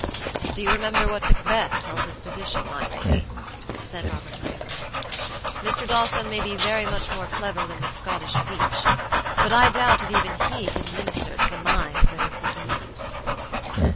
"Do you remember what Macbeth tells his physician, my lady?" asked Robert, gravely. "Mr. Dawson may be very much more clever than the Scottish leech, but I doubt if even he can minister to the mind that is diseased."